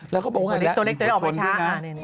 แล้วก็บอกว่าอย่างนั้นแล้วตัวเล็กออกมาช้าง